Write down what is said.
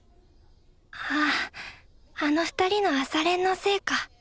あああの２人の朝練のせいか。